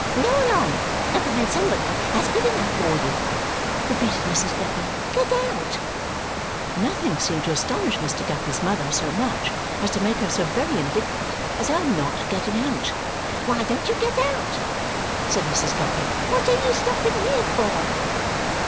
"Go along and find somebody that's good enough for you," repeated Mrs. Guppy. "Get out!" Nothing seemed to astonish Mr. Guppy's mother so much and to make her so very indignant as our not getting out. "Why don't you get out?" said Mrs. Guppy. "What are you stopping here for?"